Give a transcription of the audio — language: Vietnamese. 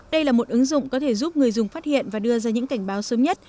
đây là một ứng dụng có thể giúp người dùng phát hiện và đưa ra những cảnh báo sớm nhất